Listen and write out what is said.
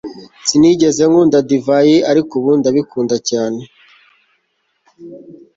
Sinigeze nkunda divayi ariko ubu ndabikunda cyane